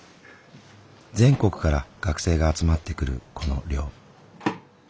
全国から学生が集まってくるこの寮。